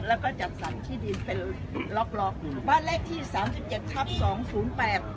แล้วก็จัดสรรที่ดินเป็นล็อกล็อกบ้านเลขที่สามสิบเจ็ดทับสองศูนย์แปด